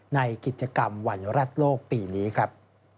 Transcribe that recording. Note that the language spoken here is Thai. ในกิจกรรมวันรัฐโลกปีนี้ครับ